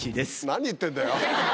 何言ってんだよ。